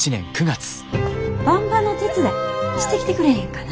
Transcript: ばんばの手伝いしてきてくれへんかな？